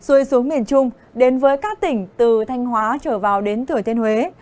rồi xuống miền trung đến với các tỉnh từ thanh hóa trở vào đến thửa thiên huế